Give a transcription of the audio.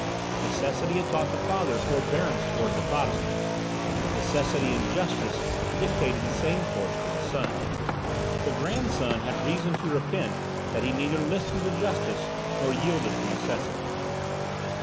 Necessity had taught the father forbearance towards the Protestants necessity and justice dictated the same course to the son. The grandson had reason to repent that he neither listened to justice, nor yielded to necessity.